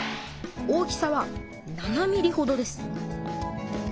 大きさは７ｍｍほどです。